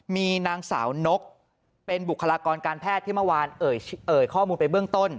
มีนางสาวนกเป็นบุคลากรการแพทย์ที่เมื่อวานเอ่ยข้อมูลไปเบื้องต้น